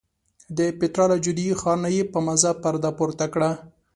د پیترا له جادویي ښار نه یې په مزه پرده پورته کړه.